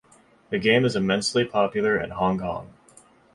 The game is immensely popular in Hong Kong.